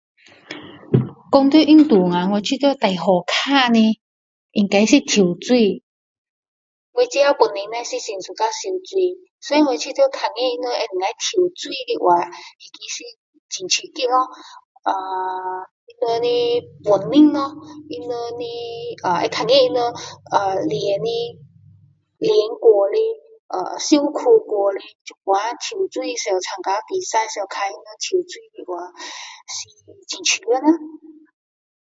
我最suka 最兴趣的运动就是走路走那个古晋的那个地方多走路旁边草看下花看下会有又能运动我觉得最好看的应该是跳水我自己本身是很suka 游泳的所以我觉得看到他们在那边跳水的话是很刺激